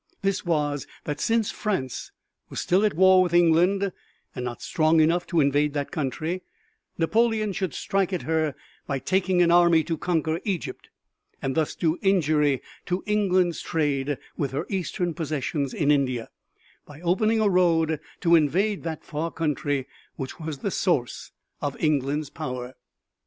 This was that since France was still at war with England and not strong enough to invade that country, Napoleon should strike at her by taking an army to conquer Egypt, and thus do injury to England's trade with her eastern possessions in India, by opening a road to invade that far country which was the source of England's power.